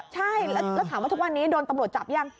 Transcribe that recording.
ใช่แล้วถามว่าทุกวันนี้โดนตำรวจจับยัง